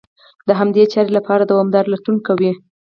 د همدې چارې لپاره دوامداره لټون کوي.